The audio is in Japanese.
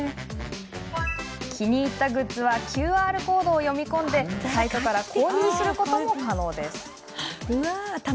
気に入ったグッズはＱＲコードを読み込んでサイトから購入することも可能です。